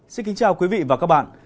xin kính chào quý vị và các bạn